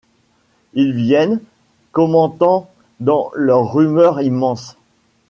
Ils viennent, commentant dans leur rumeur immense